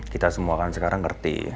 kita semua sekarang akan ngerti